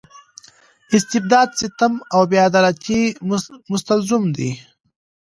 استبداد ستم او بې عدالتۍ مستلزم وي.